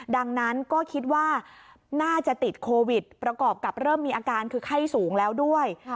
ดังนั้นก็คิดว่าน่าจะติดโควิดประกอบกับเริ่มมีอาการคือไข้สูงแล้วด้วย